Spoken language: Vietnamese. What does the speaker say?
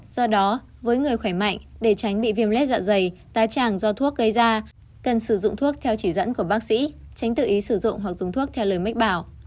do đó với người khỏe mạnh để tránh bị viêm lết dạ dày tái tràng do thuốc gây ra cần sử dụng thuốc theo chỉ dẫn của bác sĩ tránh tự ý sử dụng hoặc dùng thuốc theo lời mách bảo